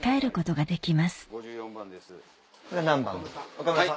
岡村さん。